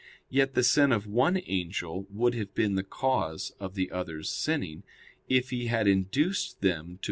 Yet the sin of one angel would have been the cause of the others sinning, if he had induced them to be his subjects.